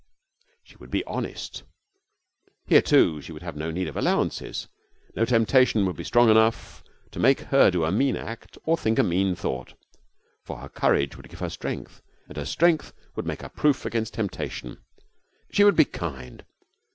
She would be honest. Here, too, she would have no need of allowances. No temptation would be strong enough to make her do a mean act or think a mean thought, for her courage would give her strength, and her strength would make her proof against temptation. She would be kind.